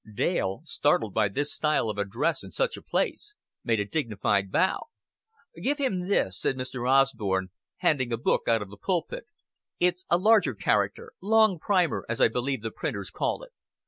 Dale, startled by this style of address in such a place, made a dignified bow. "Give him this," said Mr. Osborn, handing a book out of the pulpit. "It's a larger character 'long primer,' as I believe the printers call it.